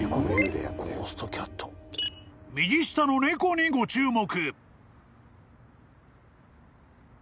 ［右下の猫にご注目］